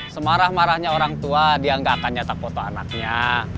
semarah marahnya orang tua dia nggak akan nyata foto anaknya